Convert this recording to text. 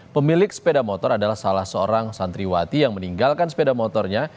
pemilik sepeda motor adalah salah seorang santriwati yang meninggalkan sepeda motornya